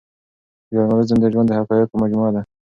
ژورنالیزم د ژوند د حقایقو مجموعه ده.